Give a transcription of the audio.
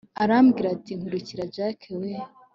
arambwira ati nkurikira jack we